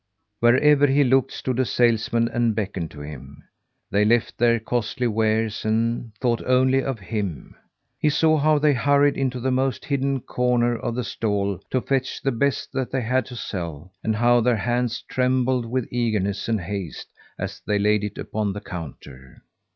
Wherever he looked stood a salesman and beckoned to him. They left their costly wares, and thought only of him. He saw how they hurried into the most hidden corner of the stall to fetch the best that they had to sell, and how their hands trembled with eagerness and haste as they laid it upon the counter.